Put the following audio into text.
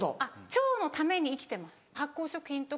腸のために生きてます。